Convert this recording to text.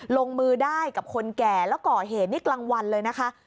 ลงมือได้กับคนแก่แล้วก่อเหตุนี่กลางวันเลยนะคะ